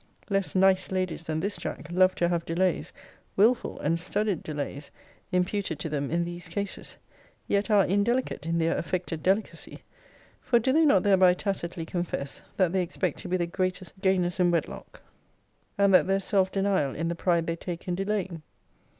Less nice ladies than this, Jack, love to have delays, wilful and studied delays, imputed to them in these cases yet are indelicate in their affected delicacy: For do they not thereby tacitly confess, that they expect to be the greatest estgainers in wedlock; and that there is self denial in the pride they take in delaying?